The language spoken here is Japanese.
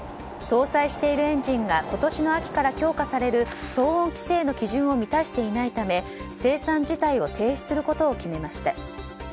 搭載しているエンジンが今年の秋から強化される騒音規制の基準を満たしていないため生産自体を停止することを決めました。